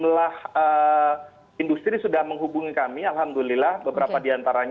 sejumlah industri sudah menghubungi kami alhamdulillah beberapa diantaranya